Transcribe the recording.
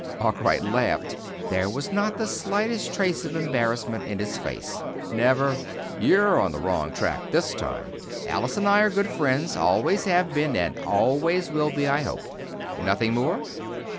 Arkwright laughed. There was not the slightest trace of embarrassment in his face. "Never. You're on the wrong track, this time. Alice and I are good friends always have been, and always will be, I hope." "Nothing more?"